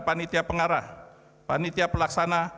panitia pengarah panitia pelaksana